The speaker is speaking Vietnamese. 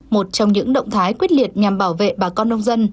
một trong những động thái quyết liệt nhằm bảo vệ bà con nông dân